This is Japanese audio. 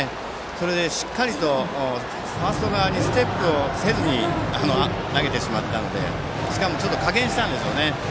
それでしっかりとファースト側にステップをせずに投げてしまったのでしかも、ちょっと加減したんでしょうね。